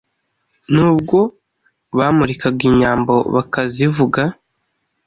n'ubwo bamurikaga inyambo bakazivuga